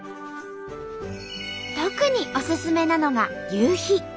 特におすすめなのが夕日。